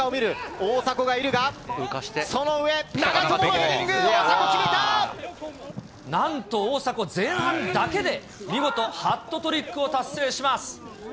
大迫がいるが、その上、なんと大迫、前半だけで見事、ハットトリックを達成します。